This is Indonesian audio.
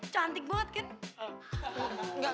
cantik banget kit